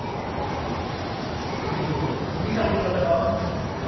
ほかにも組み立て方があるんじゃないか？